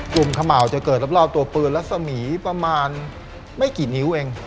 กลุ่มขะเหมาจะเกิดรอบตัวปืนลักษมีศ์ประมาณไม่กี่นิ้วเอง